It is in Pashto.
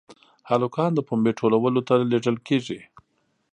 هلکان د پنبې ټولولو ته لېږل کېږي.